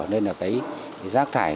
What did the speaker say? nên là cái rác thải